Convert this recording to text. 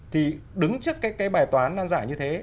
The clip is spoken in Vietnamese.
thì đứng trước cái bài toán năn giả như thế